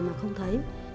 mà không thấy